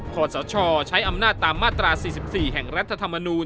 ขอสชใช้อำนาจตามมาตรา๔๔แห่งรัฐธรรมนูล